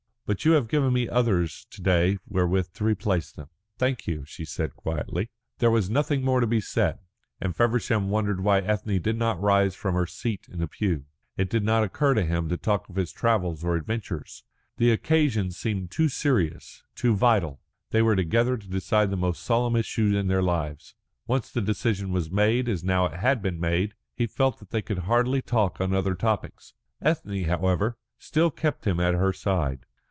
But you have given me others to day wherewith to replace them." "Thank you," she said quietly. There was nothing more to be said, and Feversham wondered why Ethne did not rise from her seat in the pew. It did not occur to him to talk of his travels or adventures. The occasion seemed too serious, too vital. They were together to decide the most solemn issue in their lives. Once the decision was made, as now it had been made, he felt that they could hardly talk on other topics. Ethne, however, still kept him at her side.